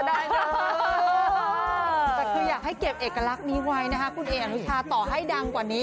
แต่คืออยากให้เก็บเอกลักษณ์นี้ไว้นะคะคุณเออนุชาต่อให้ดังกว่านี้